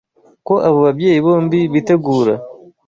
ko abo babyeyi bombi bitegura